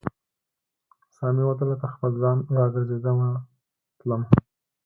سا مې وتله تر خپل ځان، را ګرزیدمه تلمه